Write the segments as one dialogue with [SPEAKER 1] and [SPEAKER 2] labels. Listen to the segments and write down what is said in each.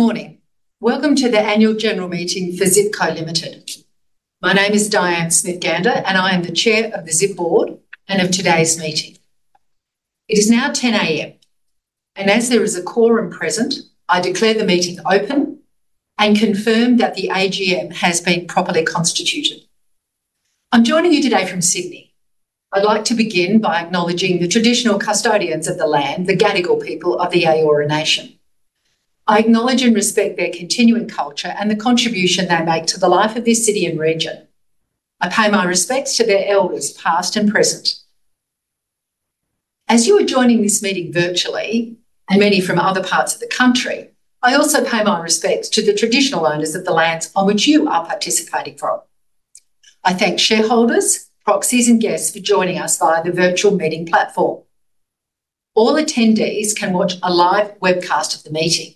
[SPEAKER 1] Good morning. Welcome to the annual general meeting for Zip Co Limited. My name is Diane Smith-Gander, and I am the Chair of the Zip Board and of today's meeting. It is now 10:00 A.M., and as there is a quorum present, I declare the meeting open and confirm that the AGM has been properly constituted. I'm joining you today from Sydney. I'd like to begin by acknowledging the traditional custodians of the land, the Gadigal people of the Eora Nation. I acknowledge and respect their continuing culture and the contribution they make to the life of this city and region. I pay my respects to their elders, past and present. As you are joining this meeting virtually, and many from other parts of the country, I also pay my respects to the traditional owners of the lands on which you are participating from. I thank shareholders, proxies, and guests for joining us via the virtual meeting platform. All attendees can watch a live webcast of the meeting.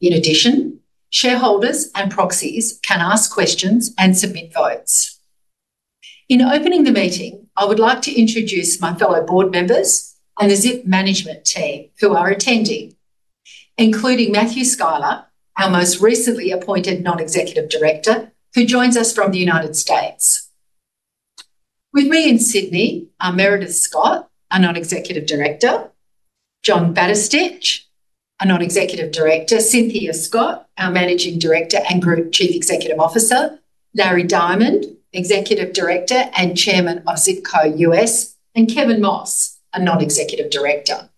[SPEAKER 1] In addition, shareholders and proxies can ask questions and submit votes. In opening the meeting, I would like to introduce my fellow board members and the Zip management team who are attending, including Matthew Schuyler, our most recently appointed Non-Executive Director, who joins us from the United States. With me in Sydney are Meredith Scott, our Non-Executive Director, John Batistich, our Non-Executive Director, Cynthia Scott, our Managing Director and Group Chief Executive Officer, Larry Diamond, Executive Director and Chairman of Zip Co US, and Kevin Moss, our Non-Executive Director.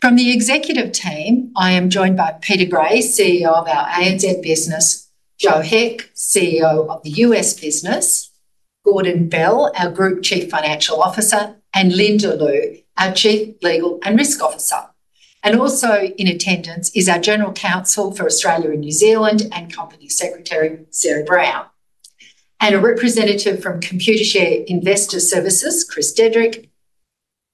[SPEAKER 1] From the executive team, I am joined by Peter Gray, CEO of our ANZ business, Joe Heck, CEO of the US business, Gordon Bell, our Group Chief Financial Officer, and Linda Liu, our Chief Legal and Risk Officer. Also in attendance is our general counsel for Australia and New Zealand and company secretary, Sarah Brown, and a representative from Computershare Investor Services, Chris Dedrick,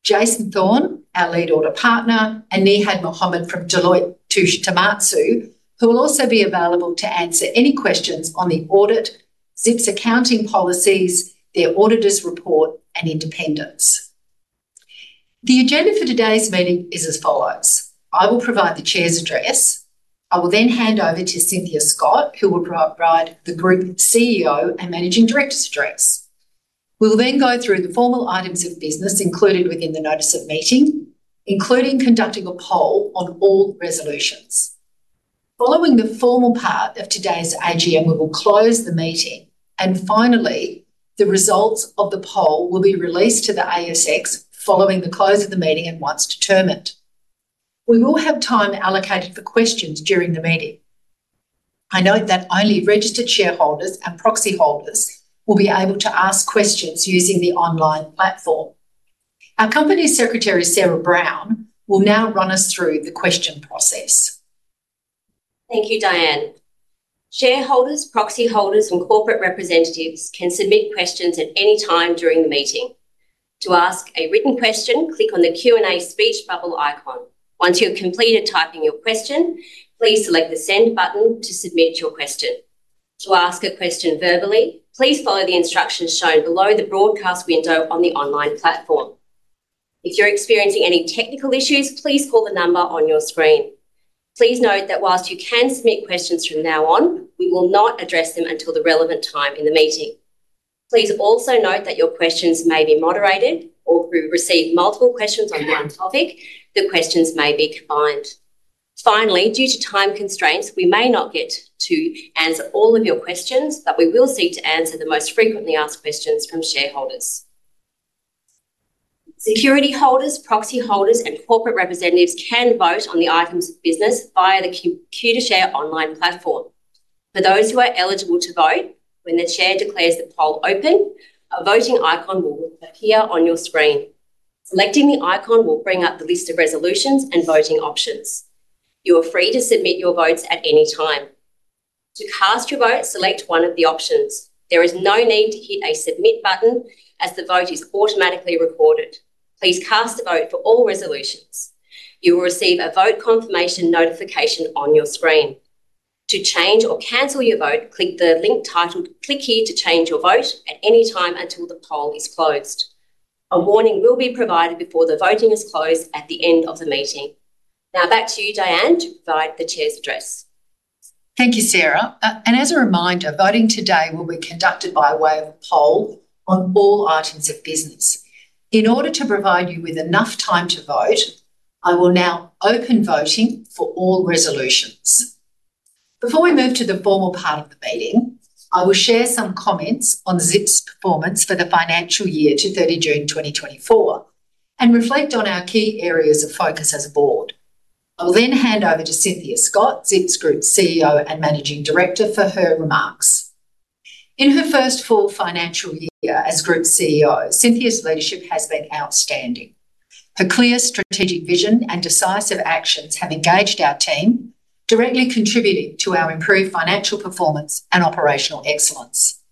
[SPEAKER 1] Jason Thorne, our lead audit partner, and Nihad Mohammed from Deloitte Touche Tohmatsu, who will also be available to answer any questions on the audit, Zip's accounting policies, their auditors' report, and independence. The agenda for today's meeting is as follows. I will provide the Chair's address. I will then hand over to Cynthia Scott, who will provide the Group CEO and Managing Director's address. We will then go through the formal items of business included within the notice of meeting, including conducting a poll on all resolutions. Following the formal part of today's AGM, we will close the meeting. And finally, the results of the poll will be released to the ASX following the close of the meeting and once determined. We will have time allocated for questions during the meeting. I note that only registered shareholders and proxy holders will be able to ask questions using the online platform. Our Company Secretary, Sarah Brown, will now run us through the question process.
[SPEAKER 2] Thank you, Diane. Shareholders, proxy holders, and corporate representatives can submit questions at any time during the meeting. To ask a written question, click on the Q&A speech bubble icon. Once you have completed typing your question, please select the send button to submit your question. To ask a question verbally, please follow the instructions shown below the broadcast window on the online platform. If you're experiencing any technical issues, please call the number on your screen. Please note that while you can submit questions from now on, we will not address them until the relevant time in the meeting. Please also note that your questions may be moderated or receive multiple questions on one topic. The questions may be combined. Finally, due to time constraints, we may not get to answer all of your questions, but we will seek to answer the most frequently asked questions from shareholders. Security holders, proxy holders, and corporate representatives can vote on the items of business via the Computershare online platform. For those who are eligible to vote, when the Chair declares the poll open, a voting icon will appear on your screen. Selecting the icon will bring up the list of resolutions and voting options. You are free to submit your votes at any time. To cast your vote, select one of the options. There is no need to hit a submit button, as the vote is automatically recorded. Please cast a vote for all resolutions. You will receive a vote confirmation notification on your screen. To change or cancel your vote, click the link titled "Click here to change your vote" at any time until the poll is closed. A warning will be provided before the voting is closed at the end of the meeting. Now, back to you, Diane, to provide the Chair's address.
[SPEAKER 1] Thank you, Sarah, and as a reminder, voting today will be conducted by way of a poll on all items of business. In order to provide you with enough time to vote, I will now open voting for all resolutions. Before we move to the formal part of the meeting, I will share some comments on Zip's performance for the financial year to 30 June 2024 and reflect on our key areas of focus as a board. I will then hand over to Cynthia Scott, Zip's Group CEO and Managing Director, for her remarks. In her first full financial year as Group CEO, Cynthia's leadership has been outstanding. Her clear strategic vision and decisive actions have engaged our team, directly contributing to our improved financial performance and operational excellence.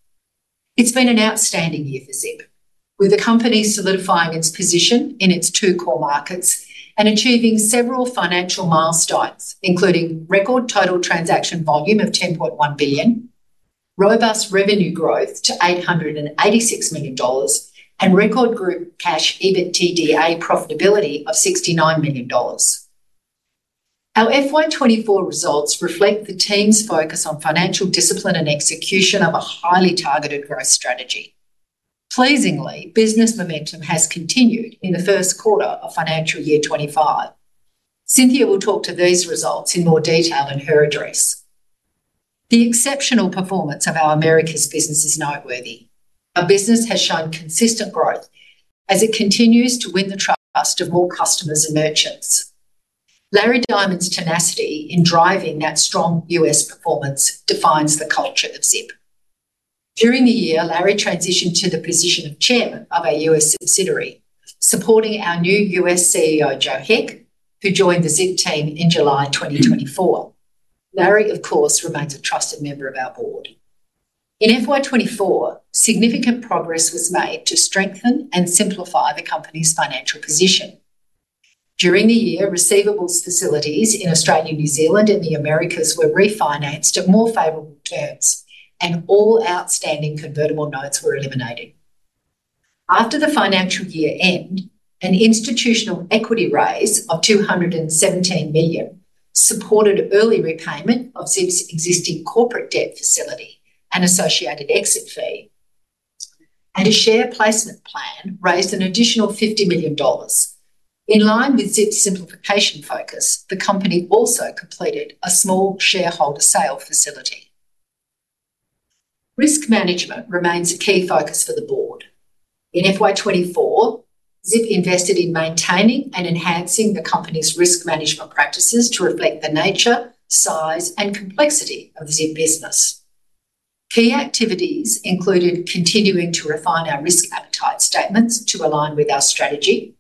[SPEAKER 1] It's been an outstanding year for Zip, with the company solidifying its position in its two core markets and achieving several financial milestones, including record total transaction volume of 10.1 billion, robust revenue growth to 886 million dollars, and record group cash EBITDA profitability of 69 million dollars. Our FY24 results reflect the team's focus on financial discipline and execution of a highly targeted growth strategy. Pleasingly, business momentum has continued in the first quarter of financial year 25. Cynthia will talk to these results in more detail in her address. The exceptional performance of our America's business is noteworthy. Our business has shown consistent growth as it continues to win the trust of more customers and merchants. Larry Diamond's tenacity in driving that strong US performance defines the culture of Zip. During the year, Larry transitioned to the position of Chairman of our U.S. subsidiary, supporting our new U.S. CEO, Joe Heck, who joined the Zip team in July 2024. Larry, of course, remains a trusted member of our board. In FY24, significant progress was made to strengthen and simplify the company's financial position. During the year, receivables facilities in Australia, New Zealand, and the Americas were refinanced at more favorable terms, and all outstanding convertible notes were eliminated. After the financial year ended, an institutional equity raise of 217 million supported early repayment of Zip's existing corporate debt facility and associated exit fee, and a share placement plan raised an additional 50 million dollars. In line with Zip's simplification focus, the company also completed a small shareholder sale facility. Risk management remains a key focus for the board. In FY24, Zip invested in maintaining and enhancing the company's risk management practices to reflect the nature, size, and complexity of the Zip business. Key activities included continuing to refine our risk appetite statements to align with our strategy,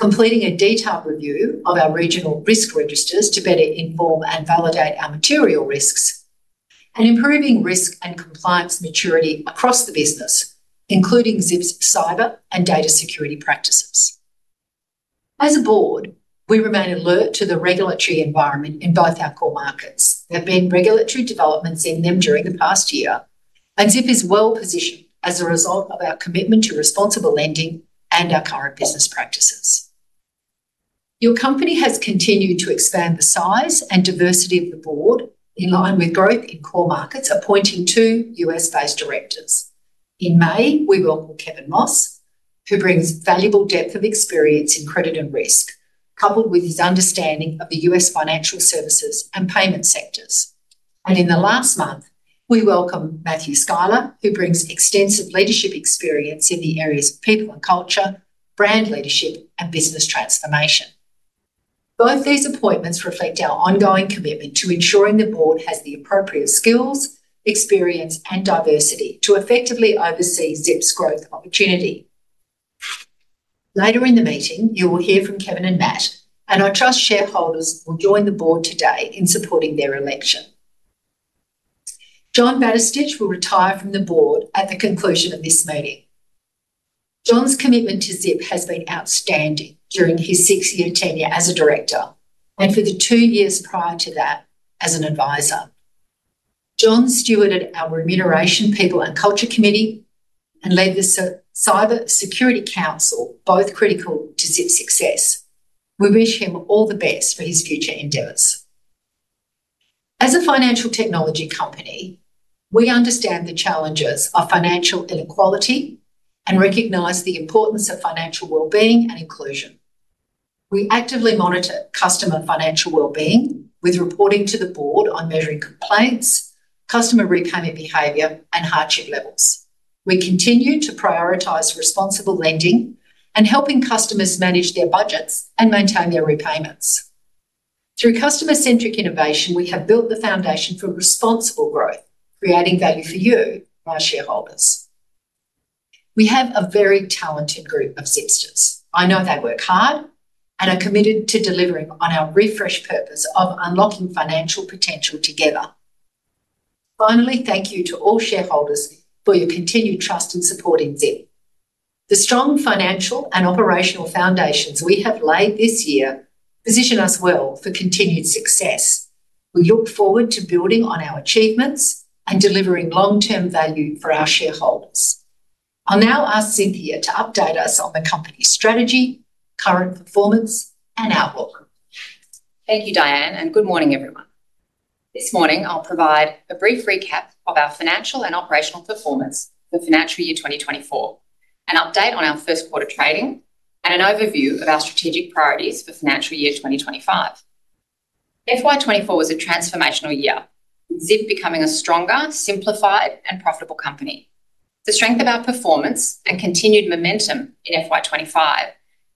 [SPEAKER 1] completing a detailed review of our regional risk registers to better inform and validate our material risks, and improving risk and compliance maturity across the business, including Zip's cyber and data security practices. As a board, we remain alert to the regulatory environment in both our core markets. There have been regulatory developments in them during the past year, and Zip is well positioned as a result of our commitment to responsible lending and our current business practices. Your company has continued to expand the size and diversity of the board in line with growth in core markets, appointing two U.S.-based directors. In May, we welcome Kevin Moss, who brings valuable depth of experience in credit and risk, coupled with his understanding of the US financial services and payment sectors. And in the last month, we welcome Matthew Schuyler, who brings extensive leadership experience in the areas of people and culture, brand leadership, and business transformation. Both these appointments reflect our ongoing commitment to ensuring the board has the appropriate skills, experience, and diversity to effectively oversee Zip's growth opportunity. Later in the meeting, you will hear from Kevin and Matt, and our trusted shareholders will join the board today in supporting their election. John Batistich will retire from the board at the conclusion of this meeting. John's commitment to Zip has been outstanding during his six-year tenure as a director and for the two years prior to that as an advisor. John stewarded our remuneration, people, and culture committee and led the Cyber Security Council, both critical to Zip's success. We wish him all the best for his future endeavors. As a financial technology company, we understand the challenges of financial inequality and recognize the importance of financial well-being and inclusion. We actively monitor customer financial well-being with reporting to the board on measuring complaints, customer repayment behavior, and hardship levels. We continue to prioritize responsible lending and helping customers manage their budgets and maintain their repayments. Through customer-centric innovation, we have built the foundation for responsible growth, creating value for you, my shareholders. We have a very talented group of Zipsters. I know they work hard and are committed to delivering on our refresh purpose of unlocking financial potential together. Finally, thank you to all shareholders for your continued trust in supporting Zip. The strong financial and operational foundations we have laid this year position us well for continued success. We look forward to building on our achievements and delivering long-term value for our shareholders. I'll now ask Cynthia to update us on the company's strategy, current performance, and outlook.
[SPEAKER 2] Thank you, Diane, and good morning, everyone. This morning, I'll provide a brief recap of our financial and operational performance for financial year 2024, an update on our first quarter trading, and an overview of our strategic priorities for financial year 2025. FY24 was a transformational year, with Zip becoming a stronger, simplified, and profitable company. The strength of our performance and continued momentum in FY25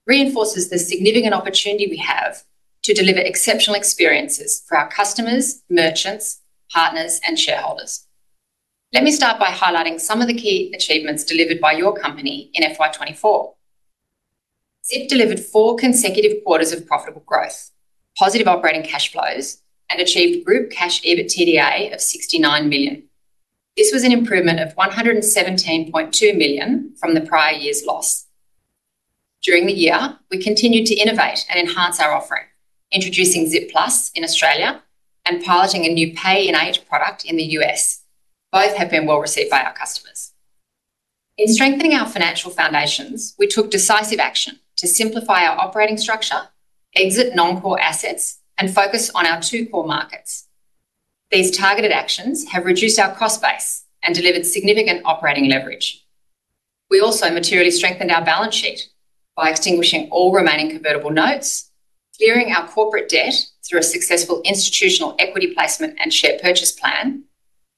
[SPEAKER 2] reinforces the significant opportunity we have to deliver exceptional experiences for our customers, merchants, partners, and shareholders. Let me start by highlighting some of the key achievements delivered by your company in FY24. Zip delivered four consecutive quarters of profitable growth, positive operating cash flows, and achieved group cash EBITDA of 69 million. This was an improvement of 117.2 million from the prior year's loss. During the year, we continued to innovate and enhance our offering, introducing Zip Plus in Australia and piloting a new Pay in 8 product in the US. Both have been well received by our customers. In strengthening our financial foundations, we took decisive action to simplify our operating structure, exit non-core assets, and focus on our two core markets. These targeted actions have reduced our cost base and delivered significant operating leverage. We also materially strengthened our balance sheet by extinguishing all remaining convertible notes, clearing our corporate debt through a successful institutional equity placement and share purchase plan,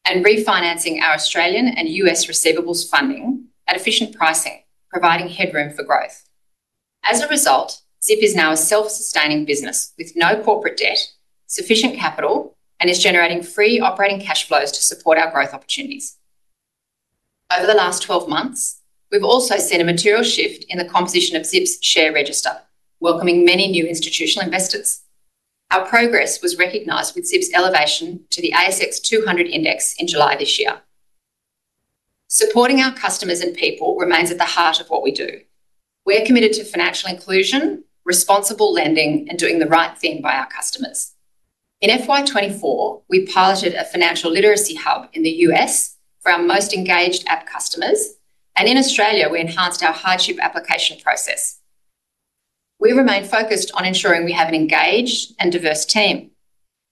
[SPEAKER 2] and refinancing our Australian and US receivables funding at efficient pricing, providing headroom for growth. As a result, Zip is now a self-sustaining business with no corporate debt, sufficient capital, and is generating free operating cash flows to support our growth opportunities. Over the last 12 months, we've also seen a material shift in the composition of Zip's share register, welcoming many new institutional investors. Our progress was recognized with Zip's elevation to the ASX 200 index in July this year. Supporting our customers and people remains at the heart of what we do. We're committed to financial inclusion, responsible lending, and doing the right thing by our customers. In FY24, we piloted a financial literacy hub in the US for our most engaged app customers, and in Australia, we enhanced our hardship application process. We remain focused on ensuring we have an engaged and diverse team.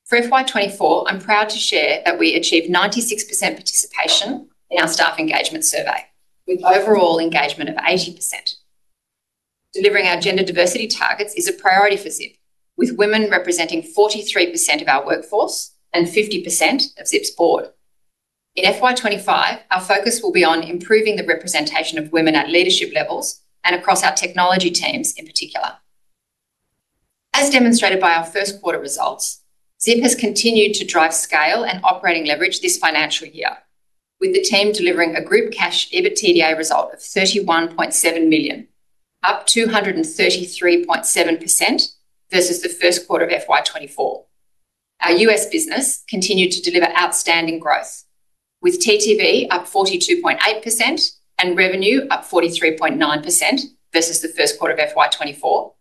[SPEAKER 2] For FY24, I'm proud to share that we achieved 96% participation in our staff engagement survey, with overall engagement of 80%. Delivering our gender diversity targets is a priority for Zip, with women representing 43% of our workforce and 50% of Zip's board. In FY25, our focus will be on improving the representation of women at leadership levels and across our technology teams in particular. As demonstrated by our first quarter results, Zip has continued to drive scale and operating leverage this financial year, with the team delivering a group cash EBITDA result of 31.7 million, up 233.7% versus the first quarter of FY24. Our US business continued to deliver outstanding growth, with TTV up 42.8% and revenue up 43.9% versus the first quarter of FY24,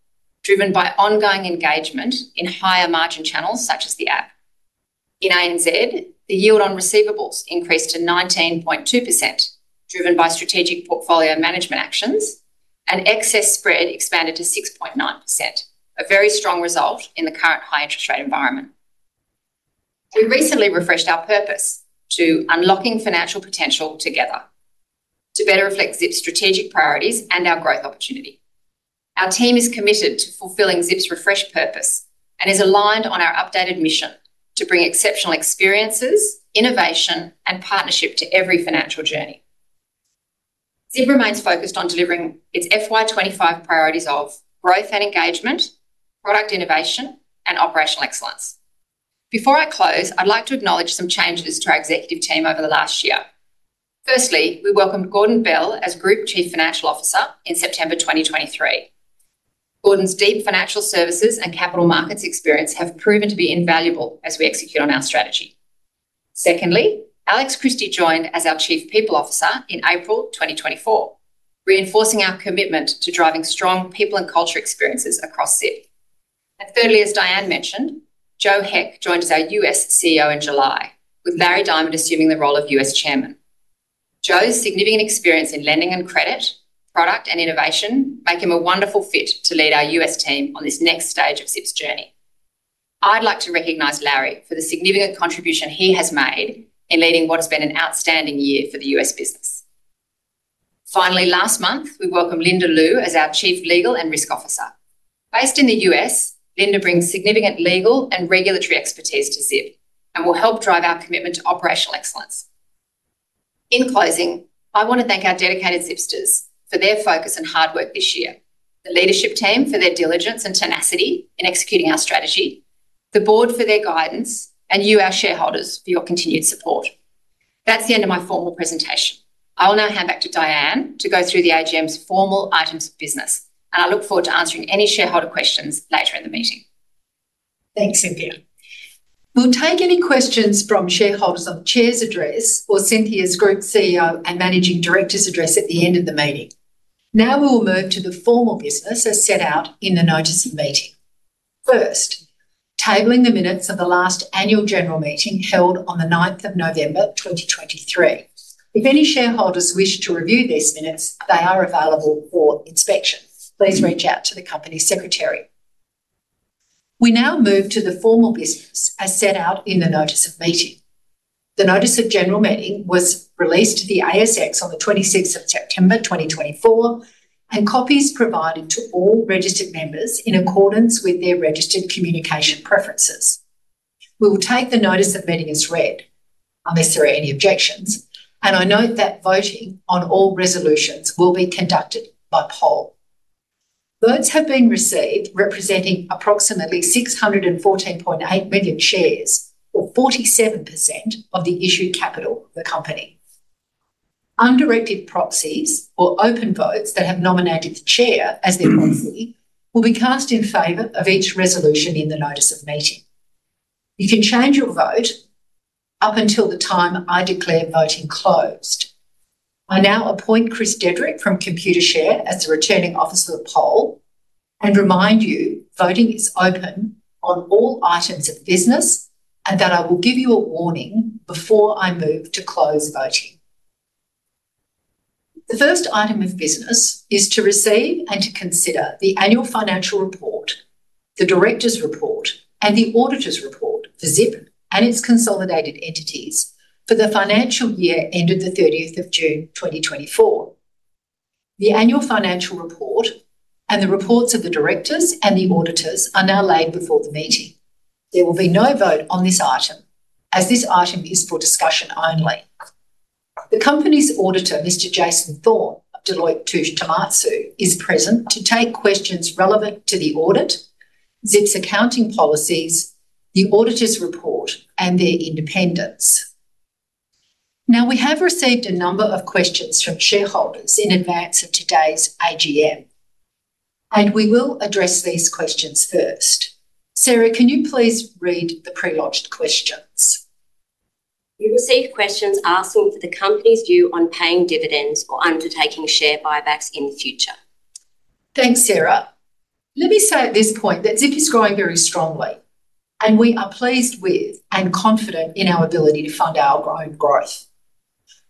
[SPEAKER 2] driven by ongoing engagement in higher margin channels such as the app. In ANZ, the yield on receivables increased to 19.2%, driven by strategic portfolio management actions, and excess spread expanded to 6.9%, a very strong result in the current high interest rate environment. We recently refreshed our purpose to unlocking financial potential together to better reflect Zip's strategic priorities and our growth opportunity. Our team is committed to fulfilling Zip's refreshed purpose and is aligned on our updated mission to bring exceptional experiences, innovation, and partnership to every financial journey. Zip remains focused on delivering its FY25 priorities of growth and engagement, product innovation, and operational excellence. Before I close, I'd like to acknowledge some changes to our executive team over the last year. Firstly, we welcomed Gordon Bell as Group Chief Financial Officer in September 2023. Gordon's deep financial services and capital markets experience have proven to be invaluable as we execute on our strategy. Secondly, Alex Christie joined as our Chief People Officer in April 2024, reinforcing our commitment to driving strong people and culture experiences across Zip. And thirdly, as Diane mentioned, Joe Heck joined as our US CEO in July, with Larry Diamond assuming the role of US Chairman. Joe's significant experience in lending and credit, product, and innovation make him a wonderful fit to lead our U.S. team on this next stage of Zip's journey. I'd like to recognize Larry for the significant contribution he has made in leading what has been an outstanding year for the U.S. business. Finally, last month, we welcomed Linda Liu as our Chief Legal and Risk Officer. Based in the U.S., Linda brings significant legal and regulatory expertise to Zip and will help drive our commitment to operational excellence. In closing, I want to thank our dedicated Zipsters for their focus and hard work this year, the leadership team for their diligence and tenacity in executing our strategy, the board for their guidance, and you, our shareholders, for your continued support. That's the end of my formal presentation. I will now hand back to Diane to go through the AGM's formal items of business, and I look forward to answering any shareholder questions later in the meeting.
[SPEAKER 1] Thanks, Cynthia. We'll take any questions from shareholders on Chair's address or Cynthia's Group CEO and Managing Director's address at the end of the meeting. Now we will move to the formal business as set out in the notice of meeting. First, tabling the minutes of the last annual general meeting held on the 9th of November 2023. If any shareholders wish to review these minutes, they are available for inspection. Please reach out to the company secretary. We now move to the formal business as set out in the notice of meeting. The notice of general meeting was released to the ASX on the 26th of September 2024, and copies provided to all registered members in accordance with their registered communication preferences. We will take the notice of meeting as read, unless there are any objections, and I note that voting on all resolutions will be conducted by poll. Votes have been received representing approximately 614.8 million shares, or 47% of the issued capital of the company. Undirected proxies or open votes that have nominated the Chair as their proxy will be cast in favor of each resolution in the notice of meeting. You can change your vote up until the time I declare voting closed. I now appoint Chris Dedrick from Computershare as the returning officer for the poll and remind you voting is open on all items of business and that I will give you a warning before I move to close voting. The first item of business is to receive and to consider the annual financial report, the director's report, and the auditor's report for Zip and its consolidated entities for the financial year ended the 30th of June 2024. The annual financial report and the reports of the directors and the auditors are now laid before the meeting. There will be no vote on this item as this item is for discussion only. The company's auditor, Mr. Jason Thorne of Deloitte Touche Tohmatsu, is present to take questions relevant to the audit, Zip's accounting policies, the auditor's report, and their independence. Now we have received a number of questions from shareholders in advance of today's AGM, and we will address these questions first. Sarah, can you please read the pre-lodged questions?
[SPEAKER 2] We received questions asking for the company's view on paying dividends or undertaking share buybacks in the future.
[SPEAKER 1] Thanks, Sarah. Let me say at this point that Zip is growing very strongly, and we are pleased with and confident in our ability to fund our growing growth.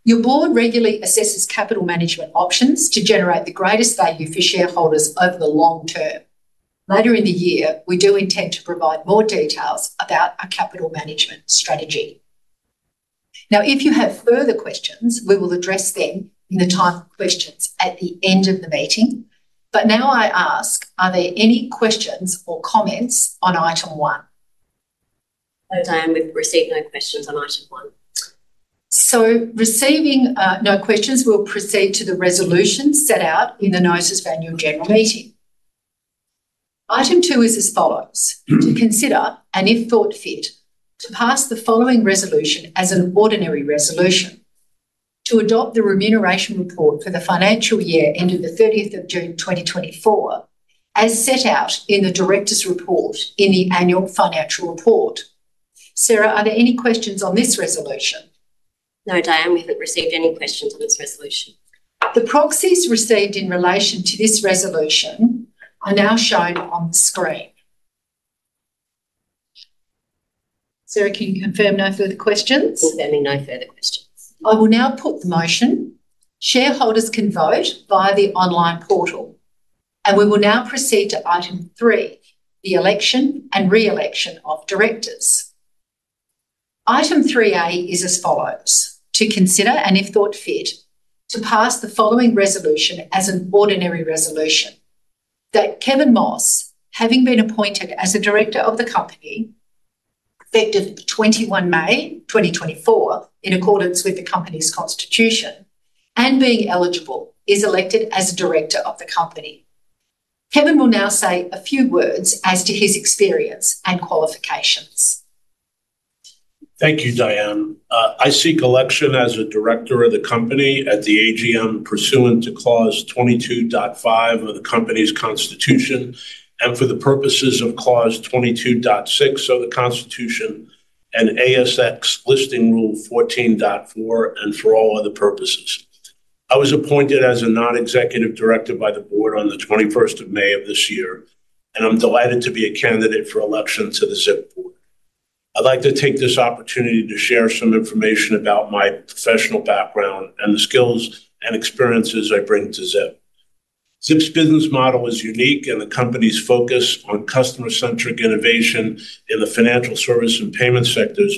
[SPEAKER 1] Your board regularly assesses capital management options to generate the greatest value for shareholders over the long term. Later in the year, we do intend to provide more details about our capital management strategy. Now, if you have further questions, we will address them in the time for questions at the end of the meeting. But now I ask, are there any questions or comments on item one?
[SPEAKER 2] Hello, Diane. We've received no questions on item one.
[SPEAKER 1] So receiving no questions, we'll proceed to the resolution set out in the notice of annual general meeting. Item two is as follows: to consider and, if thought fit, to pass the following resolution as an ordinary resolution to adopt the remuneration report for the financial year ended the 30th of June 2024 as set out in the director's report in the annual financial report. Sarah, are there any questions on this resolution?
[SPEAKER 2] No, Diane. We haven't received any questions on this resolution.
[SPEAKER 1] The proxies received in relation to this resolution are now shown on the screen. Sarah, can you confirm no further questions?
[SPEAKER 2] There will be no further questions.
[SPEAKER 1] I will now put the motion. Shareholders can vote via the online portal, and we will now proceed to item three, the election and re-election of directors. Item three A is as follows: to consider and, if thought fit, to pass the following resolution as an ordinary resolution that Kevin Moss, having been appointed as a director of the company effective 21 May 2024 in accordance with the company's constitution and being eligible, is elected as director of the company. Kevin will now say a few words as to his experience and qualifications.
[SPEAKER 3] Thank you, Diane. I seek election as a director of the company at the AGM pursuant to clause 22.5 of the company's constitution and for the purposes of clause 22.6 of the constitution and ASX listing rule 14.4 and for all other purposes. I was appointed as a non-executive director by the board on the 21st of May of this year, and I'm delighted to be a candidate for election to the Zip board. I'd like to take this opportunity to share some information about my professional background and the skills and experiences I bring to Zip. Zip's business model is unique, and the company's focus on customer-centric innovation in the financial service and payment sectors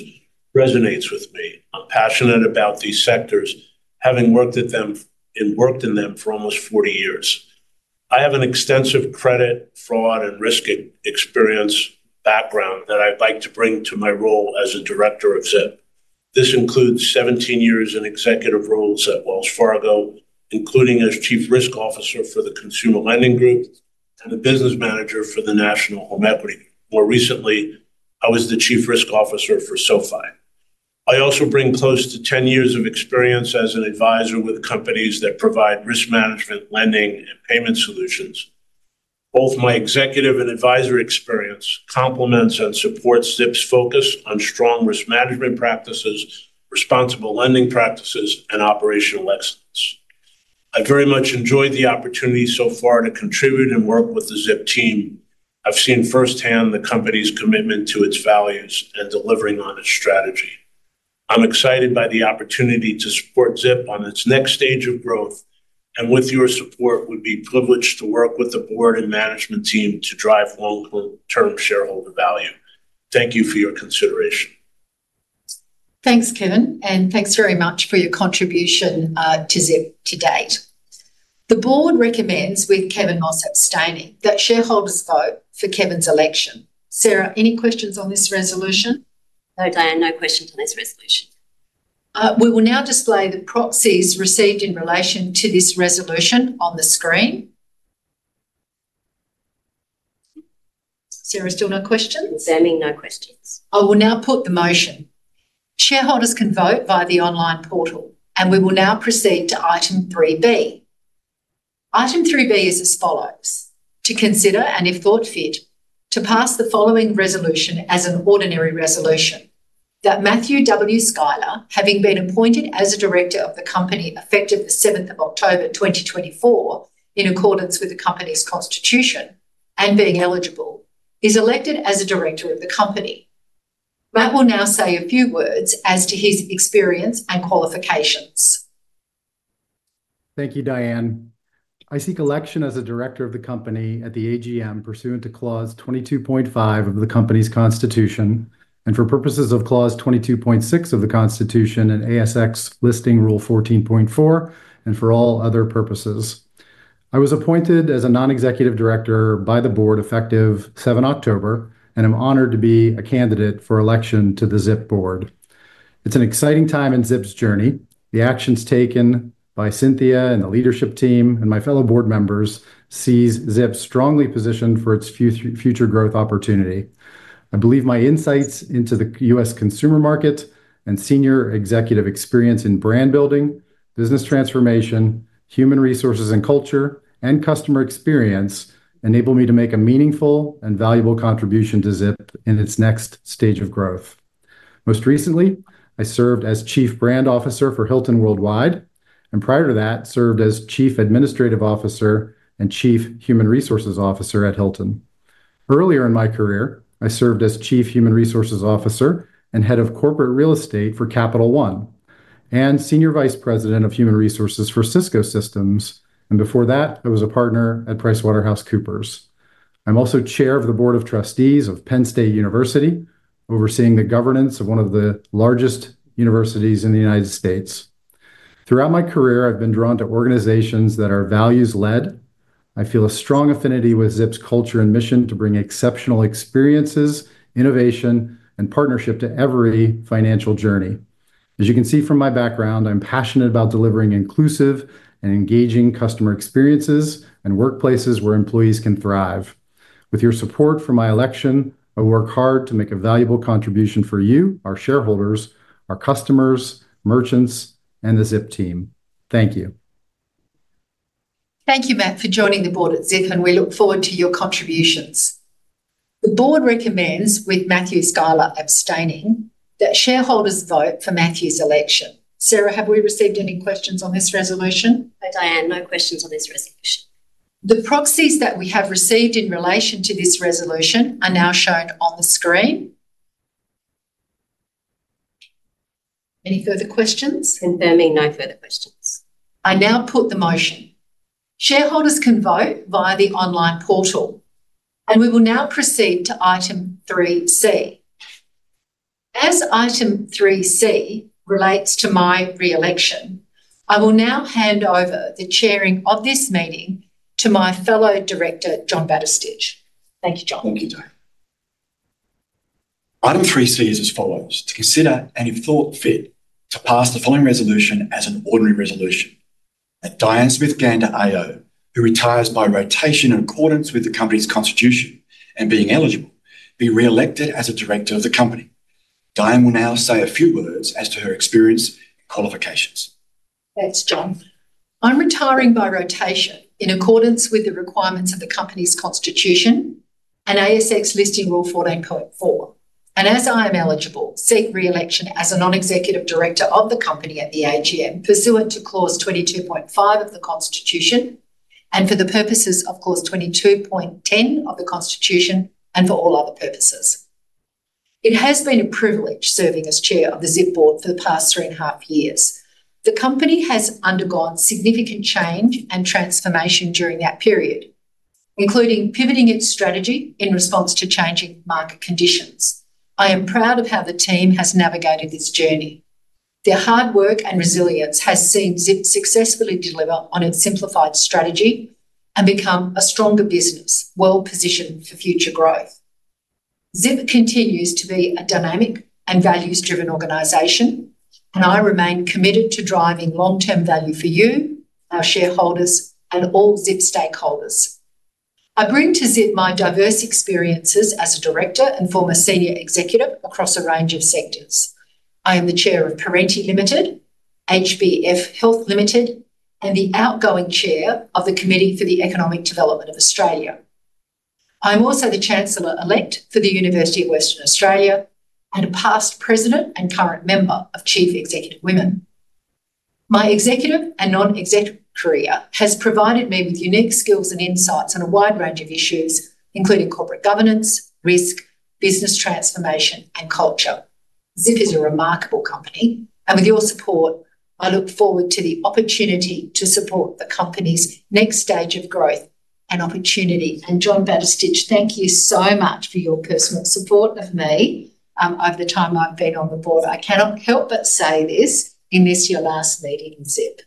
[SPEAKER 3] resonates with me. I'm passionate about these sectors, having worked at them and worked in them for almost 40 years. I have an extensive credit, fraud, and risk experience background that I'd like to bring to my role as a director of Zip. This includes 17 years in executive roles at Wells Fargo, including as Chief Risk Officer for the Consumer Lending Group and a Business Manager for the National Home Equity. More recently, I was the Chief Risk Officer for SoFi. I also bring close to 10 years of experience as an advisor with companies that provide risk management, lending, and payment solutions. Both my executive and advisory experience complements and supports Zip's focus on strong risk management practices, responsible lending practices, and operational excellence. I very much enjoyed the opportunity so far to contribute and work with the Zip team. I've seen firsthand the company's commitment to its values and delivering on its strategy. I'm excited by the opportunity to support Zip on its next stage of growth, and with your support, we'd be privileged to work with the board and management team to drive long-term shareholder value. Thank you for your consideration.
[SPEAKER 1] Thanks, Kevin, and thanks very much for your contribution to Zip to date. The board recommends, with Kevin Moss abstaining, that shareholders vote for Kevin's election. Sarah, any questions on this resolution?
[SPEAKER 2] No, Diane, no questions on this resolution.
[SPEAKER 1] We will now display the proxies received in relation to this resolution on the screen. Sarah, still no questions?
[SPEAKER 2] Assuming no questions.
[SPEAKER 1] I will now put the motion. Shareholders can vote via the online portal, and we will now proceed to item three B. Item three B is as follows: to consider and, if thought fit, to pass the following resolution as an ordinary resolution that Matthew Schuyler, having been appointed as a director of the company effective the 7th of October 2024 in accordance with the company's constitution and being eligible, is elected as a director of the company. Matt will now say a few words as to his experience and qualifications.
[SPEAKER 4] Thank you, Diane. I seek election as a director of the company at the AGM pursuant to clause 22.5 of the company's constitution and for purposes of clause 22.6 of the constitution and ASX listing rule 14.4 and for all other purposes. I was appointed as a non-executive director by the board effective 7 October and am honored to be a candidate for election to the Zip board. It's an exciting time in Zip's journey. The actions taken by Cynthia and the leadership team and my fellow board members see Zip strongly positioned for its future growth opportunity. I believe my insights into the U.S. consumer market and senior executive experience in brand building, business transformation, human resources and culture, and customer experience enable me to make a meaningful and valuable contribution to Zip in its next stage of growth. Most recently, I served as Chief Brand Officer for Hilton Worldwide, and prior to that, served as Chief Administrative Officer and Chief Human Resources Officer at Hilton. Earlier in my career, I served as Chief Human Resources Officer and head of corporate real estate for Capital One and Senior Vice President of Human Resources for Cisco Systems, and before that, I was a partner at PricewaterhouseCoopers. I'm also Chair of the board of trustees of Penn State University, overseeing the governance of one of the largest universities in the United States. Throughout my career, I've been drawn to organizations that are values-led. I feel a strong affinity with Zip's culture and mission to bring exceptional experiences, innovation, and partnership to every financial journey. As you can see from my background, I'm passionate about delivering inclusive and engaging customer experiences and workplaces where employees can thrive. With your support for my election, I will work hard to make a valuable contribution for you, our shareholders, our customers, merchants, and the Zip team. Thank you.
[SPEAKER 1] Thank you, Matt, for joining the board at Zip, and we look forward to your contributions. The board recommends, with Matthew Schuyler abstaining, that shareholders vote for Matthew's election. Sarah, have we received any questions on this resolution?
[SPEAKER 2] No, Diane, no questions on this resolution.
[SPEAKER 1] The proxies that we have received in relation to this resolution are now shown on the screen. Any further questions?
[SPEAKER 2] Confirming no further questions.
[SPEAKER 1] I now put the motion. Shareholders can vote via the online portal, and we will now proceed to item three C. As item three C relates to my re-election, I will now hand over the chairing of this meeting to my fellow director, John Batistich. Thank you, John.
[SPEAKER 3] Thank you, Diane. Item three C is as follows: to consider and, if thought fit, to pass the following resolution as an ordinary resolution that Diane Smith-Gander, AO, who retires by rotation in accordance with the company's constitution and being eligible, be re-elected as a director of the company. Diane will now say a few words as to her experience and qualifications.
[SPEAKER 1] Thanks, John. I'm retiring by rotation in accordance with the requirements of the company's constitution and ASX listing rule 14.4. And as I am eligible, seek re-election as a non-executive director of the company at the AGM pursuant to clause 22.5 of the constitution and for the purposes of clause 22.10 of the constitution and for all other purposes. It has been a privilege serving as Chair of the Zip Board for the past three and a half years. The company has undergone significant change and transformation during that period, including pivoting its strategy in response to changing market conditions. I am proud of how the team has navigated this journey. Their hard work and resilience has seen Zip successfully deliver on its simplified strategy and become a stronger business, well-positioned for future growth. Zip continues to be a dynamic and values-driven organization, and I remain committed to driving long-term value for you, our shareholders, and all Zip stakeholders. I bring to Zip my diverse experiences as a director and former senior executive across a range of sectors. I am the chair of Perenti Limited, HBF Health Limited, and the outgoing chair of the Committee for Economic Development of Australia. I am also the Chancellor-elect for the University of Western Australia and a past president and current member of Chief Executive Women. My executive and non-exec career has provided me with unique skills and insights on a wide range of issues, including corporate governance, risk, business transformation, and culture. Zip is a remarkable company, and with your support, I look forward to the opportunity to support the company's next stage of growth and opportunity. John Batistich, thank you so much for your personal support of me over the time I've been on the board. I cannot help but say this: in this your last meeting in Zip.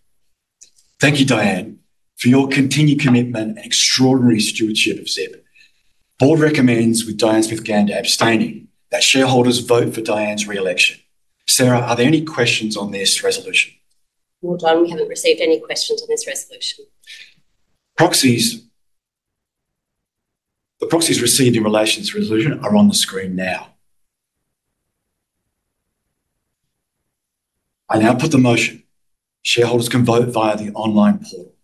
[SPEAKER 3] Thank you, Diane, for your continued commitment and extraordinary stewardship of Zip. The board recommends, with Diane Smith-Gander abstaining, that shareholders vote for Diane's re-election. Sarah, are there any questions on this resolution?
[SPEAKER 2] No, Diane, we haven't received any questions on this resolution.
[SPEAKER 3] The proxies received in relation to the resolution are on the screen now. I now put the motion. Shareholders can vote via the online portal.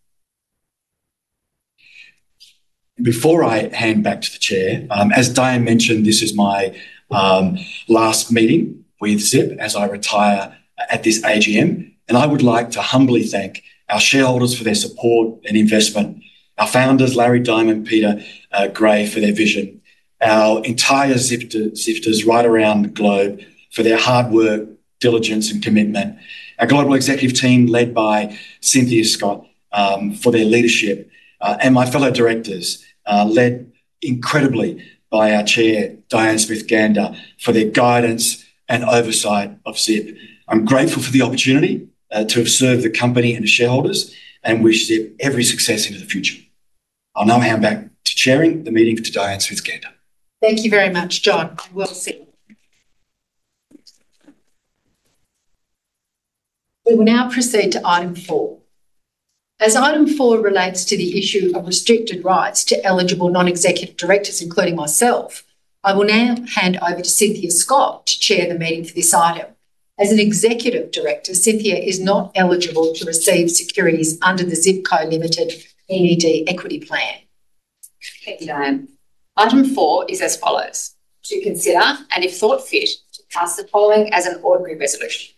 [SPEAKER 3] Before I hand back to the Chair, as Diane mentioned, this is my last meeting with Zip as I retire at this AGM, and I would like to humbly thank our shareholders for their support and investment, our founders, Larry, Diane, and Peter Gray, for their vision, our entire Zipters right around the globe for their hard work, diligence, and commitment, our global executive team led by Cynthia Scott for their leadership, and my fellow directors led incredibly by our Chair, Diane Smith-Gander, for their guidance and oversight of Zip. I'm grateful for the opportunity to have served the company and the shareholders and wish Zip every success into the future. I'll now hand back to the Chair, Diane Smith-Gander.
[SPEAKER 1] Thank you very much, John. We will now proceed to item four. As item four relates to the issue of restricted rights to eligible non-executive directors, including myself, I will now hand over to Cynthia Scott to chair the meeting for this item. As an executive director, Cynthia is not eligible to receive securities under the Zip Co Limited NED Equity Plan.
[SPEAKER 2] Thank you, Diane. Item four is as follows: to consider and, if thought fit, to pass the following as an ordinary resolution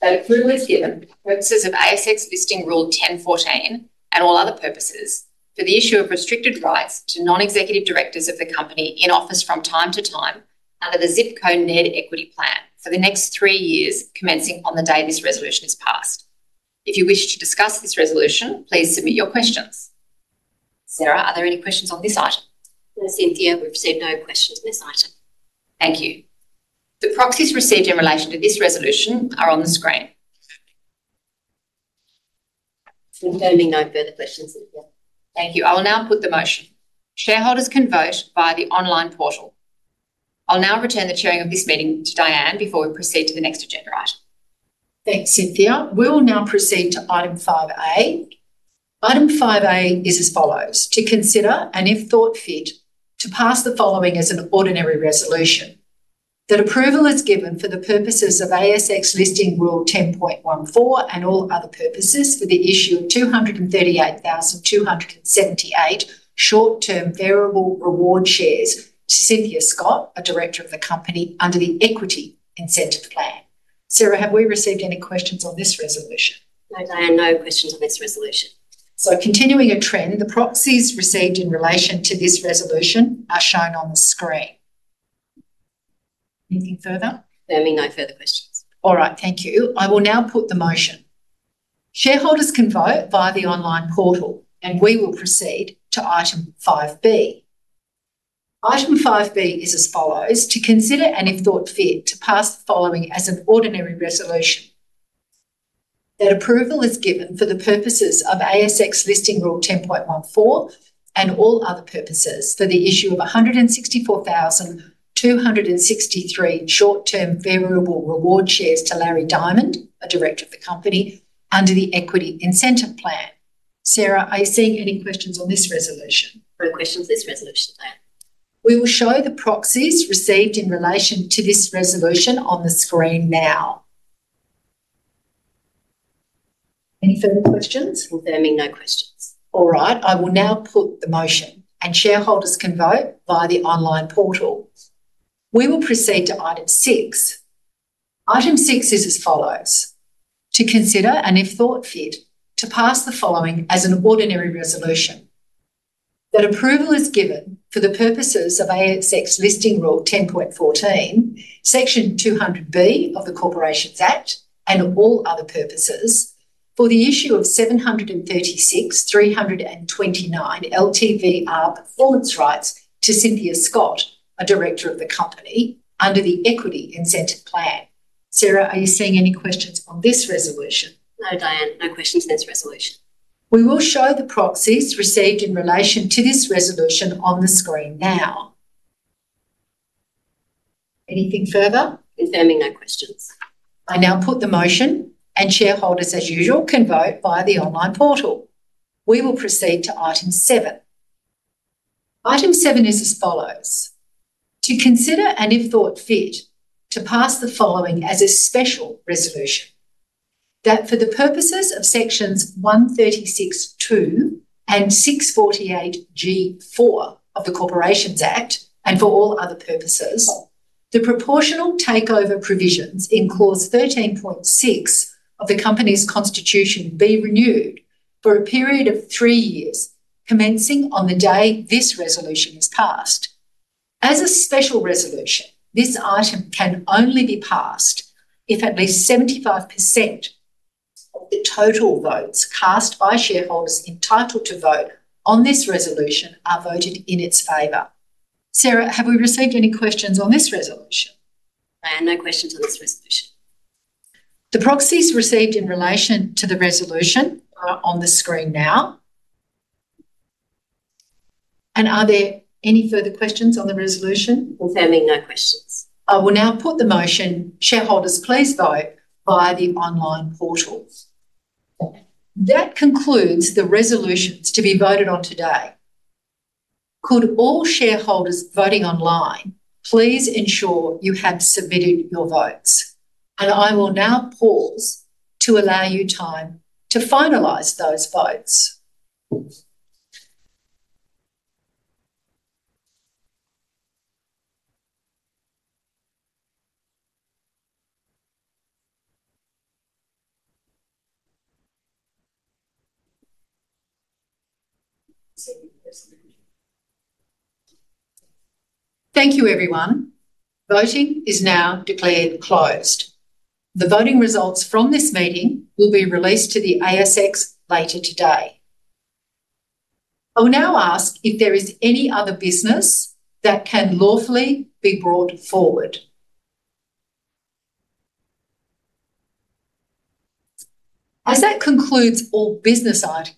[SPEAKER 2] that a privilege given for purposes of ASX listing rule 10.14 and all other purposes for the issue of restricted rights to non-executive directors of the company in office from time to time under the Zip Co NED Equity Plan for the next three years commencing on the day this resolution is passed. If you wish to discuss this resolution, please submit your questions. Sarah, are there any questions on this item? No, Cynthia, we've seen no questions on this item. Thank you. The proxies received in relation to this resolution are on the screen. Confirming no further questions. Thank you. I will now put the motion. Shareholders can vote via the online portal. I'll now return the chairing of this meeting to Diane before we proceed to the next agenda item.
[SPEAKER 1] Thanks, Cynthia. We will now proceed to item five A. Item five A is as follows: to consider and, if thought fit, to pass the following as an ordinary resolution that approval is given for the purposes of ASX listing rule 10.14 and all other purposes for the issue of 238,278 short-term variable reward shares to Cynthia Scott, a director of the company under the Equity Incentive Plan. Sarah, have we received any questions on this resolution?
[SPEAKER 2] No, Diane, no questions on this resolution.
[SPEAKER 1] So continuing a trend, the proxies received in relation to this resolution are shown on the screen. Anything further?
[SPEAKER 2] Confirming no further questions.
[SPEAKER 1] All right, thank you. I will now put the motion. Shareholders can vote via the online portal, and we will proceed to item five B. Item five B is as follows: to consider and, if thought fit, to pass the following as an ordinary resolution that approval is given for the purposes of ASX listing rule 10.14 and all other purposes for the issue of 164,263 short-term variable reward shares to Larry Diamond, a director of the company under the Equity Incentive Plan. Sarah, are you seeing any questions on this resolution?
[SPEAKER 2] No questions on this resolution plan.
[SPEAKER 1] We will show the proxies received in relation to this resolution on the screen now. Any further questions?
[SPEAKER 2] Confirming no questions.
[SPEAKER 1] All right, I will now put the motion, and shareholders can vote via the online portal. We will proceed to item six. Item six is as follows: to consider and, if thought fit, to pass the following as an ordinary resolution that approval is given for the purposes of ASX listing rule 10.14, section 200B of the Corporations Act and all other purposes for the issue of 736,329 LTVR performance rights to Cynthia Scott, a director of the company under the Equity Incentive Plan. Sarah, are you seeing any questions on this resolution?
[SPEAKER 2] No, Diane, no questions on this resolution.
[SPEAKER 1] We will show the proxies received in relation to this resolution on the screen now. Anything further?
[SPEAKER 2] Confirming no questions.
[SPEAKER 1] I now put the motion, and shareholders, as usual, can vote via the online portal. We will proceed to item seven. Item seven is as follows: to consider and, if thought fit, to pass the following as a special resolution that for the purposes of sections 136(2) and 648(g)(4) of the Corporations Act and for all other purposes, the proportional takeover provisions in clause 13.6 of the company's constitution be renewed for a period of three years commencing on the day this resolution is passed. As a special resolution, this item can only be passed if at least 75% of the total votes cast by shareholders entitled to vote on this resolution are voted in its favor. Sarah, have we received any questions on this resolution?
[SPEAKER 2] No, no questions on this resolution.
[SPEAKER 1] The proxies received in relation to the resolution are on the screen now, and are there any further questions on the resolution?
[SPEAKER 2] Confirming no questions.
[SPEAKER 1] I will now put the motion, "Shareholders, please vote via the online portal." That concludes the resolutions to be voted on today. Could all shareholders voting online, please ensure you have submitted your votes? And I will now pause to allow you time to finalize those votes. Thank you, everyone. Voting is now declared closed. The voting results from this meeting will be released to the ASX later today. I will now ask if there is any other business that can lawfully be brought forward. As that concludes all business items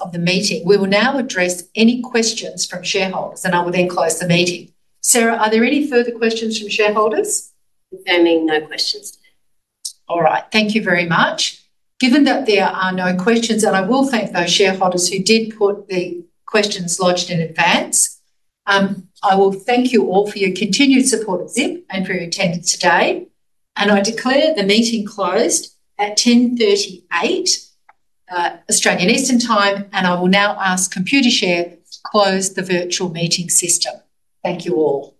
[SPEAKER 1] of the meeting, we will now address any questions from shareholders, and I will then close the meeting. Sarah, are there any further questions from shareholders?
[SPEAKER 2] Confirming no questions.
[SPEAKER 1] All right, thank you very much. Given that there are no questions, and I will thank those shareholders who did put the questions lodged in advance, I will thank you all for your continued support of Zip and for your attendance today, and I declare the meeting closed at 10:38 A.M. Australian Eastern Time, and I will now ask Computershare to close the virtual meeting system. Thank you all.